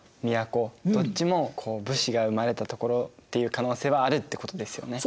どっちも武士が生まれた所っていう可能性はあるってことですよね？